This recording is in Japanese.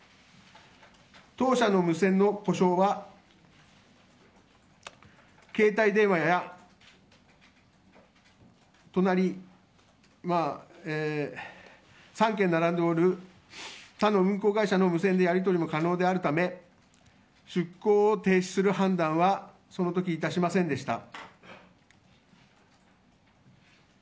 当社の無線の故障は携帯電話や隣３軒並んでいる他の運航会社の無線でやり取りが可能であるため出航を停止する判断はその時致しませんでした。